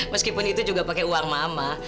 meskipun itu juga pakai uang mama